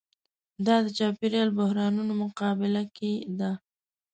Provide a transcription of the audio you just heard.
دا د چاپېریال بحرانونو مقابله کې ده.